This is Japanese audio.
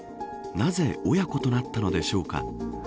なぜ親子となったのでしょうか。